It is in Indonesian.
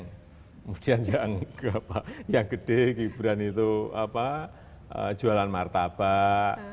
kemudian yang gede gibran itu jualan martabak